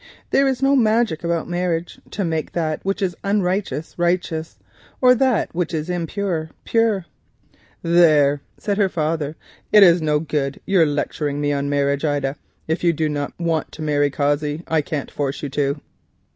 There is no magic about marriage to make that which is unrighteous righteous." "There," said her father, "it is no good your lecturing to me on marriage, Ida. If you do not want to marry Cossey, I can't force you to.